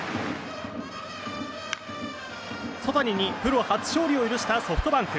曽谷にプロ初勝利を許したソフトバンク。